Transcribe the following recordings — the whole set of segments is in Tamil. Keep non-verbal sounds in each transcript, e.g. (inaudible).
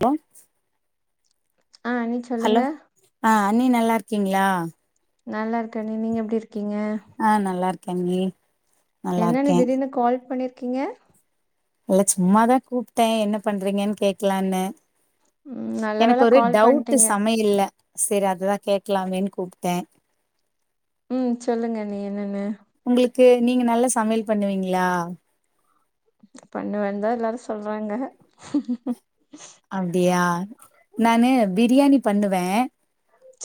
ஹலோ ஆஹ் அண்ணி ஹலோ சொல்லுங்க ஆ அண்ணி நல்லாயிருக்கீங்ளா நல்லாயிருக்கண்ணி நீங்க எப்டி இருக் ஆஹ் நல்லா இரு க்கண்ணி என்னண்ணி திடீர்னு கால் பண்ணிருக் கீங்க இல்ல சும்மாதா கூப்டே என்ன பண்றீங்கன்னு கேக்கலாம்னு ம் நல்ல எனக்கு வேல ஒரு கால் டவுட் பண்ட்டீங்க சமையல்ல செரி அதுதா கேட்கலாமேன்னு கூப்ட்டே உம் சொல்லுங்கண்ணி என்னன்னு க்கு நீங்க நல்லா சமையல் பண்ணுவீங்ளா பண்ணு வந்தாயெல்லாரோ சொல்றாங்க அப்டியா நானு பிரியாணி பண்ணுவே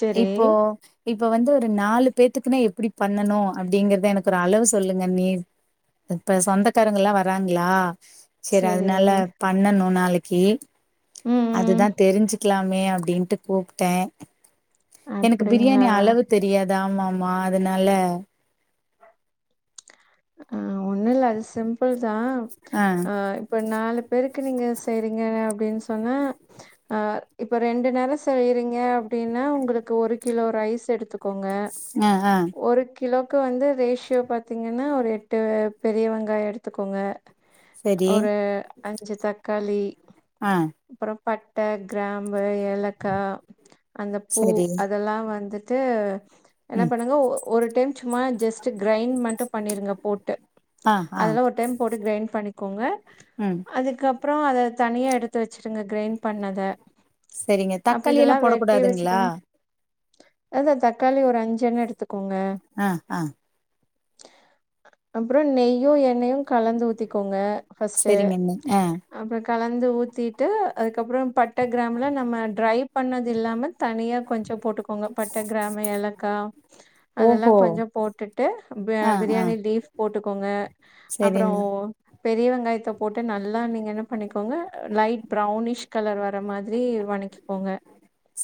செரி இப்போ இப்ப வந்து ஒரு நாலு பேத்துக்குன்னா எப்டி பண்ணணோ அப்டிங்குறத எனக்கு ஒரு அளவு சொல்லுங்கண்ணி இப்ப சொந்தக்காரங்கல்லா வராங்களா செரி அதனால பண்ணணோ நாளை க்கி ம் ம் அதுதா தெரிஞ்சு க்கலாமே அப்டின்டு கூப்ட்டே எனக்கு பிரியாணி அப்டிங்களா அளவு தெரியாது தா மாமா அதனால (unintelligible) ஒண்ணோயில்ல அது சிம்பிள் தா ஆ இப்ப நாளு பேருக்கு நீங்க செய்றீங்க அப்டின்னு சொன்னா இப்ப ரெண்டு நேரோ செய்றீங்க அப்டின்னா உங்களுக்கு ஒரு கிலோ ரைஸ் எடுத்துக் கோங்க ஆ ஆ ஒரு கிலோக்கு வந்து ரேஷியோ பாத்தீங்க ன்னா ஒரு எட்டு பெரிய வெங்காயோ எடுத்துக்கோங்க சரி ஒரு அஞ்சு தக் களி ஆஹ் பட்டகிராம் ஆ ஏலக்கா அந்த பூ சரி அதெல்லா வந்து த்து என்ன ம் பண்ணுங்க ஒ ஒரு டைம் சும்மா ஜஸ்ட் கிரைண்ட் பண்ட்டு பண்ணிருங்க போட்டு ஆ ஆ அதெல்லாம் ஒரு டைம் போட்டு கிரைண் பண்ணிக்கோங்க ம் அதுக்கப் அப்றம் அதை தனியா எடுத்து வச்சுருங்க கிரைண் பண்ணத சரிங்க அப்டி தக்காளி இதெல்லா எல்லாம் போடக் வெட்டி கூடாதுங்களா வச்சுக்கோங்க அதா தக்காளி ஒரு அஞ்சு எண்ணோ எடுத்து ஆஹ் ஆஹ் அப்றோ நெய்யு எண்ணெயு கலந்து ஊத்திக்கோங்க ஃபஸ்ட்டு சரிங்கண்ணி ஆஹ் அப்புறோ கலந்து ஊத்திட்டு அதுக்கப்புறம் பட்டை கிராமில நம்ம ட்ரை பண்ணது இல்லாமல் தனியாக கொஞ்ச போட்டுக்கோங்க பட்டை கிராம்பு ஏலக்கா அதெல்லா ஓஹோ கொஞ்ச போட்டுட்டு ப ஆ ஆ பிரியாணி லீஃப் போட்டுக்கோங்க அப்றோ சரிண்ணே பெரிய வெங்காயத்த போட்டு நல்லா நீங்க என்ன பண்ணிக்கோங்க லைட் பிரவுன் ஷ்கலர் வர ர்ற மாதிரி வனக்கிகோங்க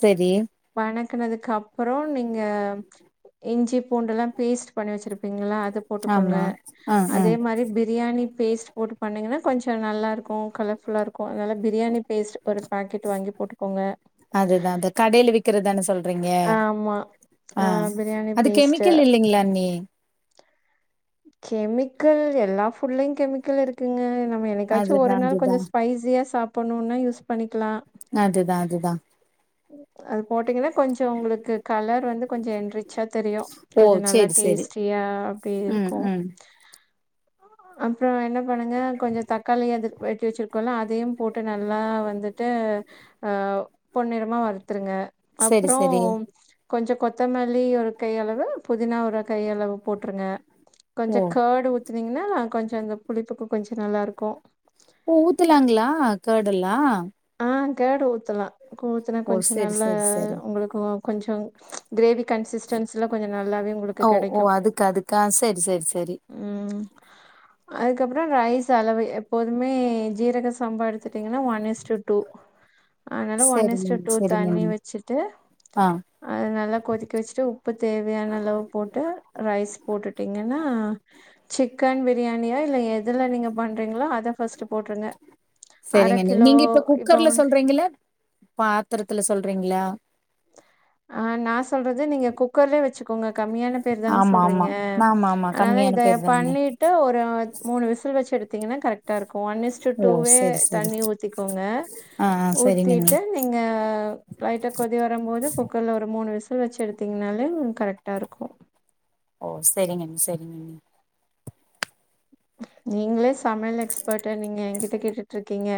சரி வனக் க்குணதுக்கு அப்புறம் நீங்க இஞ்சி பூண்டெல்லாம் பேஸ்ட் பண்ணி வச்சிருப் (unintelligible) அது போட்டுக்கோங்க ஆமா ஆ ஆ அதே மாரி பிரியாணி பேஸ்ட் போட்டு பண்ணீங்ன்னா கொஞ்சோ நல்லாருக்கும் கலர்ஃபுல்லாக இருக்கு நல்லா பிரியாணி பேஸ்ட் ஒரு பாக்கெட் வாங்கி போட்டுக்கோங்க றீங்க ஆமா ஆ ஆஹ பிரியாணி அது பேஸ்ட்டு கெமிக்கல் இல்லைங்களாண்ணி கெமிக்கல் எல்லா ஃபுட்லயும் கெமிக்கல் இருக்குங்க என்னைக்காச்சு அதுதா ஒரு நாள் அதுதா கொஞ்ச ஸ்பைசியா சாப் ஒன்னொன்னா யூஸ் பண்ணிக்கலாம் அதுதான் அதுதான் அது போட்டீங்கன்னா கொஞ்சோ உங்களுக்கு கலர் வந்து கொஞ்ச எண்ரிச் ச்சா தெரியு ஓ கொஞ்ச நல்லா சேரி சேரி டேஸ்ட்டியா அப்டி ம் இருக்கும் ம் அப்றோ என்ன பண்ணுங்க கொஞ்ச தக்காளிய அதுக்கு வெட்டி வச்சிருக்கோம்ல்ல அதையும் போட்டு நல்லா வந்துட்டு அஹ் பொன்னிற மால் த்ருங்க செரி செரி அப்றோம் கொஞ்சோ கொத்தமல்லி ஒரு கையளவு புதினா ஒரு கையளவு போட்ருங்க ஓ கொஞ்சோ கர்ட் ஊத் பத்னீங்கன்னா கொஞ்சோ அந்த புளிப்புக்கு கொஞ்சோ நல்லாருக்கோ ஓ ஊத்துலாங்களா கர்ட்டெல்லா கர்ட் ஊத்துலா (unintelligible) கொஞ்சோ நல்லா செரி செரி உங்களுக்கோ கொஞ்சோ கிரேவி கன்சிஸ்டன்சுல கொஞ்சோ நல்லாவே உங்களுக்கு ஓ ஓ கெடைக்கோ அதுக்கு அதுக்கா செரி செரி செரி உம் அதுக்கப்புறோ ரைஸ் அளவு எப்போதுமே ஜீரக சம்பா எடுத்துட்டீங்கன்னா ஒன் ஈஸ்ட்டு டூ தனால ஒன் செரிங்க ஈஸ்ட்டு செரிங்க தண்ணி அண்ணி வெச்சுட்டு ஆ அத நல்லா கொதிக்க வெச்சுட்டு உப்பு தேவையான அளவு போட்டு ரைஸ் போட்டுட்டீங்கன்னா சிக்கன் பிரியாணி (unintelligible) எதுல நீங்க பண்றீங்களோ அத ஃபர்ஸ்ட்டு போட்ருங்க அர செரிங்க அண்ணி கிலோ நீங்க இப்ப இப்போ வந்து த்தரத்துல சொல்றீங்ளா ஆஹ் நா சொல்றது நீங்க குக்கர்லயே வெச்சுக்கோங்க கம்மியான பேர் தான ஆமா சொல்றீங்க ஆமா ஆமா ஆமா அதனால கம்மியான இத பேர் தாண்ணி பண்ணிட்டு ஒரு மூணு விசில் வெச்சு எடுத்து பாத்தீங்கன்னா கரெக்டாருக் ஒன் ஈஸ்டு ஓ டூவே செரி செரி தண்ணி ஊத்திக்கோங்க ஆ ஆ செரிங்க அண்ணி ஊத்திட்டு நீங்க லைட்டா கொதி வருமோது ஒரு மூணு விசில் வெச்சி எடுத்தீங்னாலே உங்ளுக்கு கரெக்டாயிருக்கோ ஓ செரிங்கண்ணி செரிங்கண்ணி நீங்ளே சமையல் எக்ஸ்பர்ட்டு நீங்க என்கிட்ட கேட்டுட்டுருக்கீங்க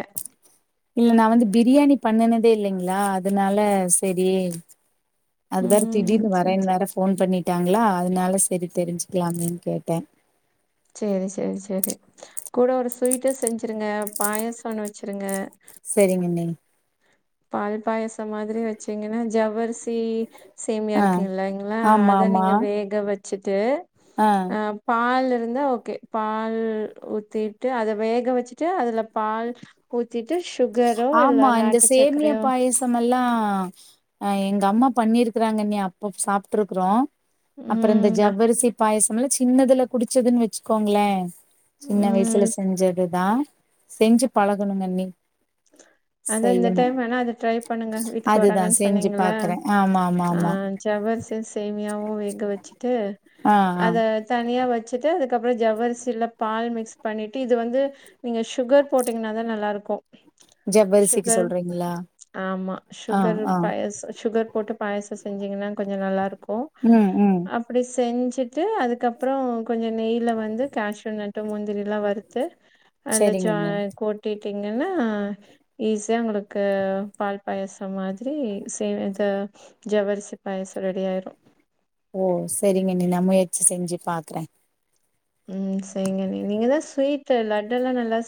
இல்ல நா வந்து பிரியாணி பண்ணுனதேயில்லைங்களா அதனால செரி அது வேற ம் திடீர்னு சரி வரேன்னு வேற போன் பண்ணிட்டாங்களா அதனால செரி தெரிஞ்சுக்கலாமேன்னு கேட்டே சேரி சேரி செரி கூட ஒரு ஸ்வீட்டு செஞ்சிருங்க பாயாசோ ஒன்ன வெச்சுருங்க செரிங்கண்ணி பால் பாயசோ மாதிரி வெச்சீங்கன்னா ஜவ்வரிசி சேமியா ஆ இருக்குயில்லைங்களா ஆமா அத ஆமா நீங்க வேக வெச் சிட்டு ஆ அஹ் பால் இருந்தா ஓகே பால் ஊத்திட்டு அத வேக வெச்சுட்டு அதுல பால் ஊ த்திட்டு சுகரோ இல்ல ஆமா இந்த நாட்டு சக் சேமியா பாயாசோ மாரி எல்லா ஹ எங்க அம்மா பண்ணிருக்கு (unintelligible) ராங்கண்ணி அப்போ சாப்ட்ருக்கறோம் அப்புறம் இந்த ம் அ- ஜவ்வரிசி பாயசம் ஒருவேல சின்னதுல குடிச்சதுன்னு வச்சுக்கோங்களே சின்ன வயசுல ம் செஞ்சதுதா செஞ்சு பழகணுங்கண்ணி அதான் இந்த டைம் வேனா அத ட்ரை பண்ணுங்க வீட்டுக்கு அதுதா வராங்கன்னு செஞ்சு சொன்னீங்கள பாக்குறே ஆமா ஆமா ஆ ஆமா ஜவ்வரிசி சேமியாவும் வேக வச்சுட்டு ஆ ஆ அத தனியா வச் வச்சுட்டு அதுக்கப்புறோ ஜவ்வரிசில பால் மிக்ஸ் பண்ணிட்டு இது வந்து நீங்க சுகர் போட்டீங்கன்னாதா நல்லாருக்கும் ஜவ்வரிசிக்கு சுகர் சொல்றீங்களா ஆமா ஆ சுகர் ஆ பாயச சுகர் போட்டு பாயசோ செஞ்சீங்கன்னா கொஞ்ச நல்லா இருக் கும் ம் ம் அப்டி செஞ்சு ட்டு அதுக்கப்புறம் கொஞ்சம் நெய்ல வந்து கேஷுனட் ட்ட முந்திரிலாம் வருத்து அல்ல ஜா சரிங்கண்ணே கோட்டி என்னா ஈஸியா உங்களுக்கு பால் பாயசம் மாதிரி செய் (unintelligible) ஜவ்வரிசி பாயசம் ரெடி ஆயிரும் ஓ சரிங்கண்ணி நா முயற்சி செஞ்சு பாக்குறேன் உம் செரிங்கண்ணி நீங்கதா ஸ்வீட் லட்டு எல்லாம் நல்லா ஸ்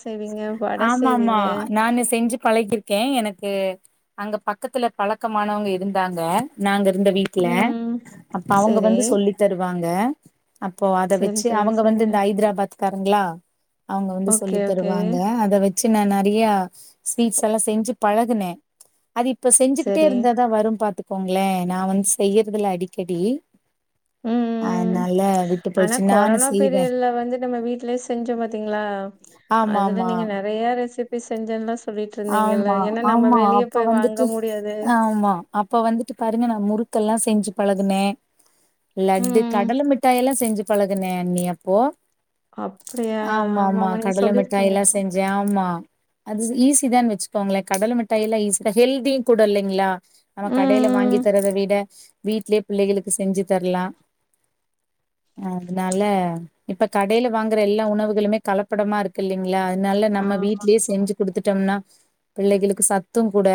ஆமா - ஆமா நானு செஞ்சு பழகிருக்கே எனக் (unintelligible) அங்க பக்கத்துல பழக்கமானவங்க இருந்தாங்க நாங்க இருந்த வீட்டு ம் அப்ப அவுங்க செரி வந்து சொல்லி தருவாங்க அங்க அப்போ அத செரி வச்சு செரி அவங்க செரி வந்து இந்த ஐதராபாத் க்காருங்களா அவங்க வந்து சொல்லி ஓகே ஓகே வாங்க அத வெச் வச்சு நா நெறைய ஸ்வீட்ஸ் எல்லாம் செஞ்சு பழகுனே அது இப்ப செஞ்சுகிட்டே செரி இருந்தாதான் வரும் பாத்துக் போங்ளே நா வந்து செய்யறதில்ல அடிக்கடி உம் அதனால விட்டு ஆனா போயிடுச்சு நானு கொரோனா செய்வே பீரியட்ல வந்து நம்ம வீட்லயே செஞ்சோம் பாத்தீங்களா அதுல ஆமாமா நீங்க நெறைய ரெசிபி செஞ்சல்லாம் ஆமா - ஆமா அப்ப வாங்க வந்துட்டு முடியாது ஆமா அப்ப வந்துட்டு பாருங்க நா முறுக் க்கல்லாம் செஞ்சு பழகுனேன் லட்டு கடல மிட்டாயல்லாம் செஞ்சு பழகுனே அன்னி அப்போ அப்டியா ஆமா ஆமா ஆமாமா நீங்க கடல மிட்டாய் சொல்லிருக்கீங்க எல்லா செஞ்சே ஆமா (unintelligible) (unintelligible) தான் வச்சுக்கோங்களேன் கடல மிட்டாய் எல்லாம் ஈசி தான் ஹெல்தியும் கூட இல்லைங்ளா நம்ம கடையில வாங்கி ம் தரத விட வீடலயே பிள்ளைகளுக்கு செஞ்சு தரலாம் அதனால இப்ப கடையில வாங்குற எல்லா உணவுகளுமே கலப்படமா இருக்கு இல்லைங் ல்ல அதனால நம்ம ஆமா வீட்லயே செஞ்சு குடுத்துட் ன்னா பிள்ளைகளுக்கு சத்தும் கூட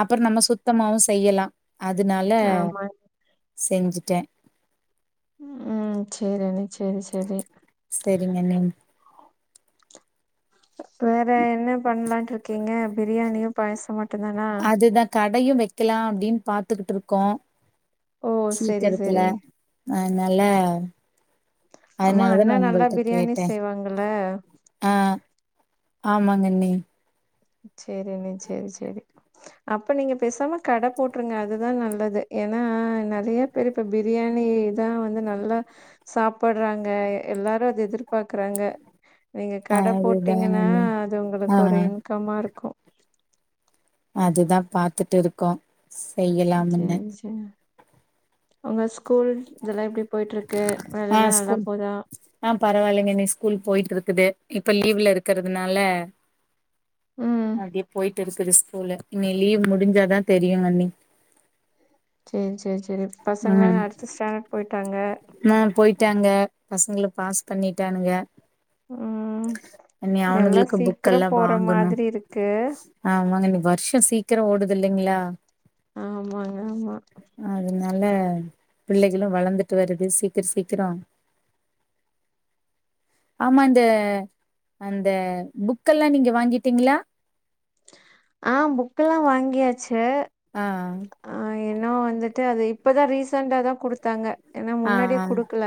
அப்புறோ நம்ம சுத்தமாவு செய்யலா அதுனால ஆமா செஞ்சுட்டே உம் சரி அண்ணி செரி செரி சரிங்க நீ வேற என் என்ன பண்லான்ட்றுக்கிங்க பிரியாணியும் பாயசமா மட்டு தானா கடையும் வைக்கலாம் அப்டின்னு பாத்துக்குட்டு இருக்கோ ஓ செரி சீக்கிரத்துல செரி அஹ் நல்ல ஆமா அண்ணன் நல்லா பிரியாணி செய்வாங்கல்ல ஆமாங்கண்ணி சேரிண்ணே சேரி சேரி அப்ப நீங்க பேசாம கடை போட்ருங்க அதுதா நல்லது ஏன்னா நெறைய பேரு இப்ப பிரியாணிதா வந்து நல்லா சாப்பட்றாங்க எல்லாரு அத எதிர்பாக்குறாங்க நீங்க ஆ கட அதுதாங்க போட்டீங்கன்னா அண்ணி அது ஆ உங்களுக்கு ஒரு இன் ஆமா இருக்கு அதுதான் பாத்துட்டு இருக்கோம் செய்யலாம்னு சேரி சேரி உங்க ஸ்கூல் இதெல்லா எப்டி போயிட்ருக் ஆஹ் ஸ்கூல் ஆஹ் பரவால்லைங்க இன்னைக்கி ஸ்கூல் போயிட்ருக் இருக்குது இப்ப லீவ்ல இருக்கறிறதுனால ம் அப்டியே போயிட்டிருக் இது ஸ்கூலு இனி லீவ் முடிஞ்சாதா தெரியுங்க அண்ணி ச்சேரி ச்சேரி சரி ம் பசங்கள்லா அடுத்த ஸ்டாண்டர்ட் போயிட்டாங்க பசங்களை பாஸ் பண்ணிட்டானுங்க ம் இனி எல்லா அவனுகளுக்கு புக் சீக்கிர எல்லாம் போற வாங்கணு மாதிரி இருக்கு ஆமாங்க இனி வருஷோ சீக் சீக்கிரம் ஓடுது இல்லைங்ளா ஆமாங்க ஆமா னால பிள்ளைகளு வளந்துட்டு வருது சீக்கிர சீக்கிர ஆமா இந்த (unintelligible) அந்த புக்கெல்லா நீங்க வாங்கிட்டீங்களா ஆஹ் புக் எல்லாம் வாங்கியாச்சு ஆ ட்டு ஆஹ் இன்னு வந்துட்டு அது இப்பதா ரீசண்டாதா குடுத்தாங்க ஏன்னா ஆ முன்னாடியே ஆ குடுக்கல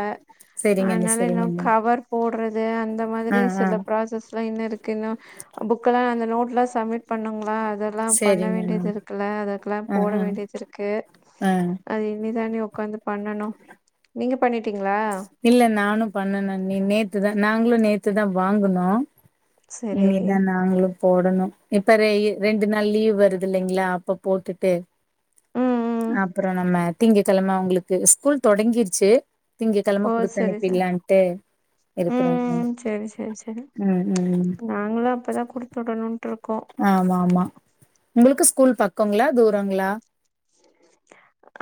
செரிங்க அண்ணி அதனால செரிங்க இன்னு அண்ணி கவர் போடுற இது அந்த மாதிரி ஆ ஆ சில ப்ராசஸ் (unintelligible) க்கு இன்னு புக் எல்லா அந்த நோட் ப்ளஸ் தமிழ் பண்ணுங்களா அதெல்லா பண்ண செரிங்க வேண்டியது அண்ணி இருக்குல்ல அதுக்கெல்லா ஆ போட ஆ வேண்டியது இருக்கு ஆ அது இனிதானே உக்காந்து பண்ணணு நீங்க பண்ணிட்டீங்களா? இல்ல நானு பண்ணுன நீ நே த்துதா நாங்களு நேத்துதா வாங்குனோ சரி இனிதா நாங்களு போடணு இப்ப ரெ-ரெண்டு நாள் லீவ் வருது இல்லைங்களா அப்ப போட்டுட்டு ம் ம் அப்புறோ நம்ம திங்கக்கிழம அவங்களுக்கு ஸ்கூல் தொடங்கிருச்சு திங்கக்கிழமை ஓ சரி சரி குடுத்தனுப்பிறலான்ட்டு ம் இருக்குறேங்க ம் சரி சரி சரி உம் உம் (inaudible) நாங்களு அப்பதா குடுத்து விடணுன்ட்டு இருக்கோ. ஆமா ஆமா உங்களுக்கு ஸ்கூல் பக்கங்களா தூரங்களா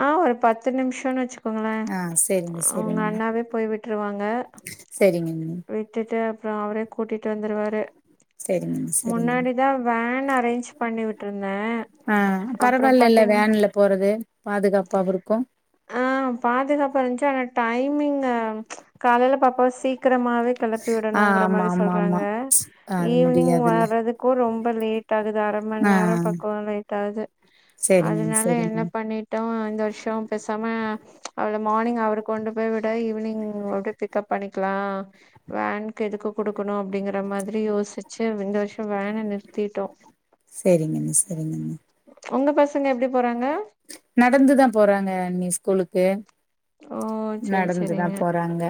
ஆஹ் ஒரு பத்து நிமிசோனு வச்சு க்குங்களே ஆ செரிங்க உங்க செரிங்க அண்ணாவே போய் விட்ருவாங்க செரிங்கங்க விட்டுட்டு அப் அப்றோ அவரே கூட்டிட்டு வந்துருவாரு செரிங்க செரிங்க முன்னாடிதா வேன் அரேஞ்ச் பண்ணி விட்ருந்தே ஆ அப்றோ பரவாயில்லல்ல பாத்தீங் வேன்ல போறது பாதுகாப்பாவு இருக்கும் ஆஹ் பாதுகாப்பா இருந்துச்சு ஆனா டைமிங் காலைல பாப்பா சீக் க்கிரமாவே கெளப்பி ஆ விடணும்கற ஆமா மாரி ஆமா ஆமா சொல்றாங்க அது ஈவினிங் முடியாதுல்ல வர்றதுக்கும் ரொம்ப (unintelligible) க்குது அரை மணி ஆ நேரம் பக்கோ லேட்டாகுது செரிங்கண்ணி அதனால என்ன செரிங்கண்ணி பண்ணிட்டோ தர்ஷம் பேசாம அவள மார்னிங் அவரு கொண்டு போய் விட ஈவினிங் அப்டியே பிக்அப் பண்ணிக்கலா வேனுக்கு எதுக்கு குடுக்கணு அப்டிங்கற மாதிரி யோசிச்சு இந்த வருஷம் வேன நிறுத்திட்டோ செரிங்கண்ணி செரிங்கண்ணி உங்க பசங்க எப்டி போறாங்க நடந்துதா போறாங்க அண்ணி ஸ்கூலுக்கு ஓ செரி நடந்துதா செரிங்க போறாங்க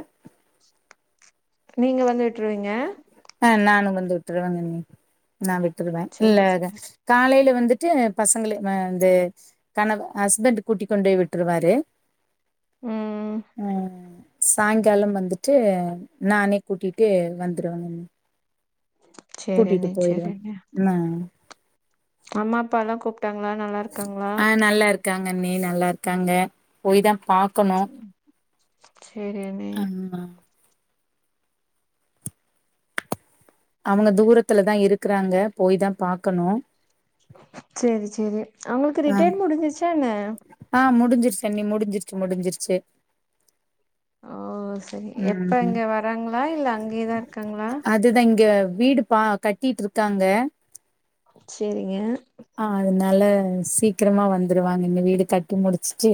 நீங்க வந்து விட்ருவீங்க த்துருவங்கண்ணி நான் விட்டுருவே இல்ல செரி செரி காலையில வந்துட்டு பசங்கள வந்து கண ஹஸ்பண்ட் கூட்டி கொண்டு விட்ருவாரு ம் உம் சாயங்காலம் வந்துட்டு நானே கூட்டிட்டு வந் த்துருவங்கண்ணி கூட்டிட்டு சேரிண்ணே போயிருவே சேரிண்ணே ன்ன அம்மா அப்பாலாம் கூப் ட்டாங்களா நல்லா இருக்காங்களா ஆ நல்லா இருக்காங்க அண்ணி நல்லா இருக்காங்க போய்தா பாக்கணு செரி அண்ணி ஆமா அவங்க தூரத்துலதா இருக்குறாங்க போய்தா பாக்கணு சேரி சேரி அவங்களுக்கு ஆஹ் ரிட்டையர் முடிஞ்சிருச்சா என்ன ஆஹ் முடிஞ்சிருச்சண்ணி முடிஞ்சிருச் முடிஞ்சிருச்சு ஓ சரி எப்ப ம் இங்க வராங்களா இல்ல அங்கேயேதா இருக்காங்களா அதுதா இங்க வீடு பா கட்டிட்டு இருக்காங்க செரிங்க ஆஹ் அதனால சீக்கிரமா வந்துருவாங்க இங்க வீடு கட்டி முடிச்சுட்டு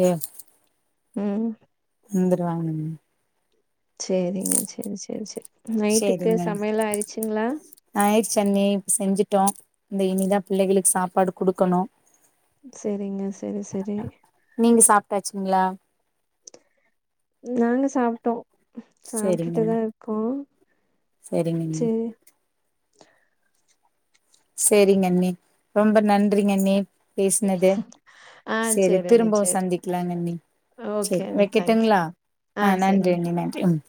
ஹும் வந்துருவாங்க அண்ணி சேரிங்க செரி செரி செரி செரிங்க ஆயிருச்சு அண்ணி இப்ப செஞ்சுட் ட்டோ இந்த இனிதா பிள்ளைகளுக்கு சாப்பாடு குடுக்கணு செரிங்க செரி செரி சாப்ட்டாச்சுங்ளா நாங்க சாப்ட்டோ சேரிங்க சாப்ட்டுட்டுதா அண்ணி இருக்கோ சேரிங்க அண்ணி சேரி (inaudible) செரிங்கண்ணி ரொம்ப நன்றிங்கண்ணி பேசுனது ஆ சேரி அண்ணி திரும்பவு சேரி சந்திக்கலாங்கண்ணி ஓகே சேரி அண்ணி தேங்க்யூ வெக்கட்டுங்களா ஆ ஆஹ் சேரிங்க நன்றியண்ணி நன்றி ம்